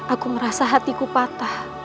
aku merasa hatiku patah